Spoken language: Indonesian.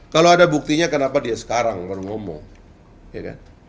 kalau ada buktinya kenapa dia sekarang ngomong